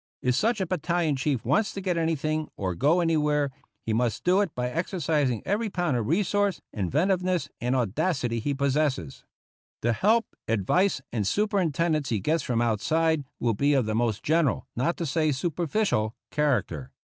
If such a battalion chief wants to get 47 THE ROUGH RIDERS anything or go anywhere he must do it by exer cising every pound of resource, inventiveness, and audacity he possesses. The help, advice, and superintendence he gets from outside will be of the most general, not to say superficial, char acter.